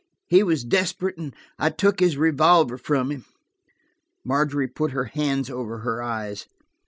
He was desperate, and I took his revolver from him." Margery had put her hands over her eyes.